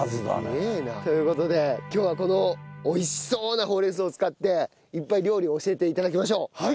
すげえな。という事で今日はこの美味しそうなほうれん草を使っていっぱい料理を教えて頂きましょう。